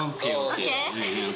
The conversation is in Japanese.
ＯＫ？